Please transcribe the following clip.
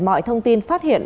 mọi thông tin phát hiện